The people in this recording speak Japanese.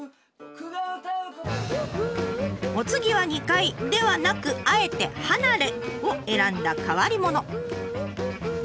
お次は２階ではなくあえて離れを選んだ変わり者。